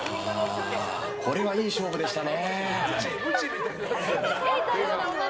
これはいい勝負でしたね。